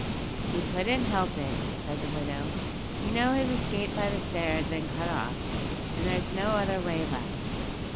"He couldn't help it," said the widow. "You know his escape by the stair had been cut off, and there was no other way left."